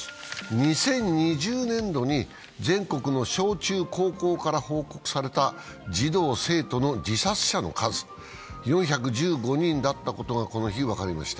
２０２０年度に全国の小中高校から報告された児童生徒の自殺者の数４１５人だったことがこの日、分かりました。